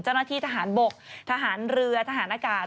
เจ้าหน้าที่ทหารบกทหารเรือทหารอากาศ